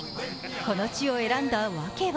この地を選んだ訳は